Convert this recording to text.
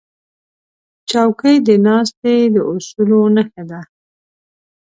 چوکۍ د ناستې د اصولو نښه ده.